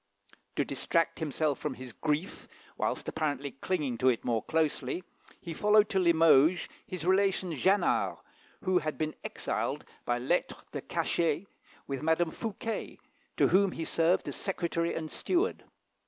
To distract himself from his grief, whilst apparently clinging to it more closely, he followed to Limoges his relation Jannart, who had been exiled by lettre de cachet with Madame Fouquet, to whom he served as secretary and steward.